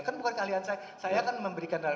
kan bukan keahlian saya